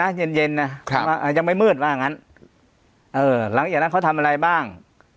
น้านเย็นอะเย็นหรือยังไม่มืดว่างั้นหลังให้นะเค้าทำอะไรบ้าง